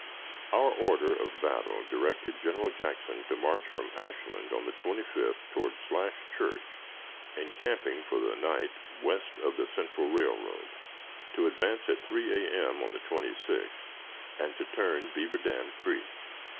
Our order of battle directed General Jackson to march from Ashland on the 25th toward Slash Church, encamping for the night west of the Central Railroad; to advance at 3 A.M. on the 26th, and to turn Beaver Dam Creek.